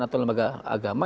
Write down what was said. atau lembaga agama